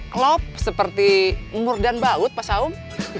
klop seperti umur dan baut pak saum